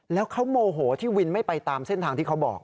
แล้วเขาโมโหที่วินไม่ไปตามเส้นทางที่เขาบอก